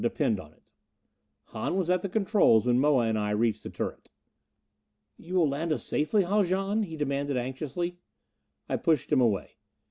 Depend on it." Hahn was at the controls when Moa and I reached the turret. "You will land us safely, Haljan?" he demanded anxiously. I pushed him away.